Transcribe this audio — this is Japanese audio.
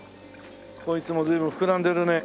こいつも随分膨らんでるね。